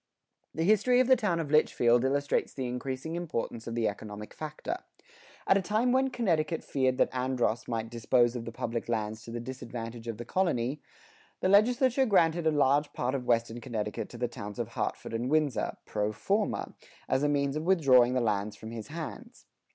The history of the town of Litchfield illustrates the increasing importance of the economic factor. At a time when Connecticut feared that Andros might dispose of the public lands to the disadvantage of the colony, the legislature granted a large part of Western Connecticut to the towns of Hartford and Windsor, pro forma, as a means of withdrawing the lands from his hands.